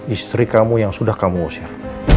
istri kamu yang sudah kamu usir